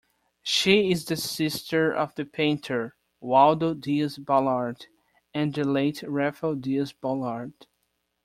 She is the sister of the painter Waldo Diaz-Balart and the late Rafael Diaz-Balart.